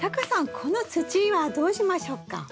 この土はどうしましょうか？